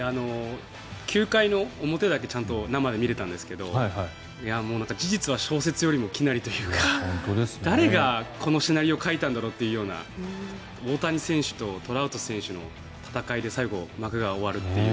９回の表だけちゃんと生で見れたんですが事実は小説よりも奇なりというか誰がこのシナリオを書いたんだろうというような大谷選手とトラウト選手の戦いで最後、幕が終わるという。